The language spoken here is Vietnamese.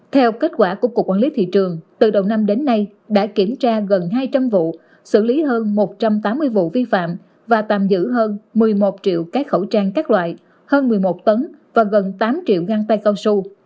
theo kết quả của cục quản lý thị trường từ đầu năm đến nay đã kiểm tra gần hai trăm linh vụ xử lý hơn một trăm tám mươi vụ vi phạm và tạm giữ hơn một mươi một triệu cái khẩu trang các loại hơn một mươi một tấn và gần tám triệu găng tay cao su